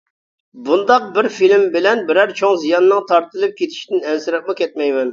بۇنداق بىر فىلىم بىلەن بىرەر چوڭ زىياننىڭ تارتىلىپ كېتىشىدىن ئەنسىرەپمۇ كەتمەيمەن.